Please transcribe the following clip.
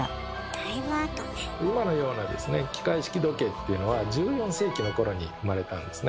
今のような機械式時計っていうのは１４世紀の頃に生まれたんですね。